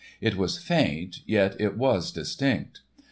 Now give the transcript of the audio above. It was faint, yet it was distinct.